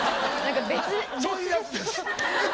そういうやつです。